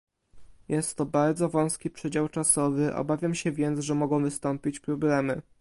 Jest to bardzo wąski przedział czasowy, obawiam się więc, że mogą wystąpić problemy